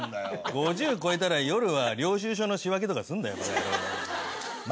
５０超えたら夜は領収書の仕分けとかすんだよバカヤロー。